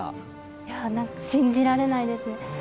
いや何か信じられないですね。